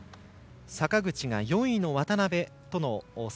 坂口が４位に渡部との差